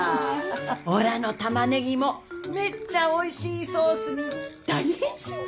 おらのタマネギもめっちゃおいしいソースに大変身じゃ。